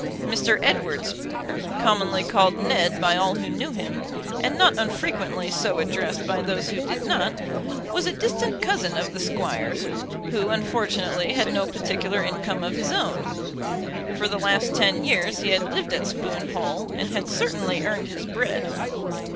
Mr. Edward Spooner, commonly called Ned by all who knew him, and not unfrequently so addressed by those who did not, was a distant cousin of the Squire's, who unfortunately had no particular income of his own. For the last ten years he had lived at Spoon Hall, and had certainly earned his bread.